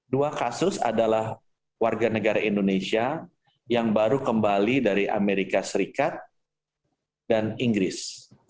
dua kasus adalah warga negara indonesia yang baru kembali dari amerika serikat dan inggris